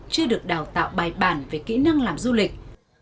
chưa được đào tạo bài bản về kỹ năng làm du lịch